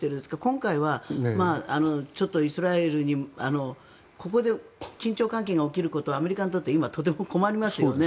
今回はちょっとイスラエルにここで緊張関係が起きることはアメリカにとって今、とても困りますよね。